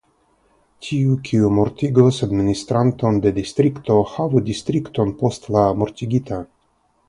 Tiu, kiu mortigos administranton de distrikto, havu distrikton post la mortigita.